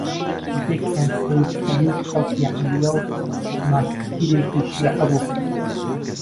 یەکیان سەیید عەلی، خەڵکی حیللە و ماسیگرێکی شیعە بوو